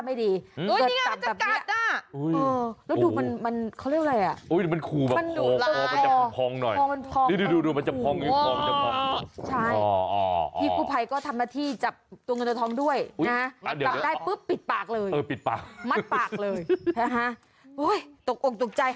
มันจะกัดด้วยอ่ะ